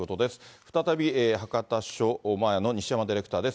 再び、博多署前の西山ディレクターです。